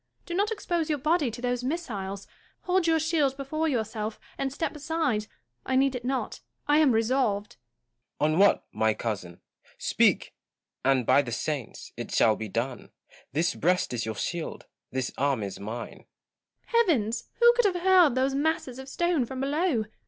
Do not expose your body to those missiles. Hold your shield before yourself, and step aside. I need it not. I am resolved Gaunt. On what, my cousin ? Speak, and, by the saints ! it shall be done. This breast is your shield ; this arm is mine. Joanna. Heavens ! who could have hurled those masses of stone from below